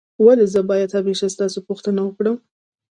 ولي زه باید همېشه ستاسو پوښتنه وکړم؟